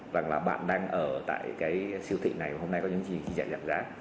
rằng là bạn đang ở tại cái siêu thị này và hôm nay có những gì khi nhắn